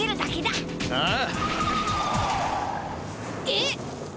えっ？